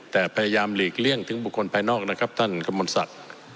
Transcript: แต่พยายามหลีกเลี่ยงถึงบุคคลภายนอกนะครับท่านกระมวลศักดิ์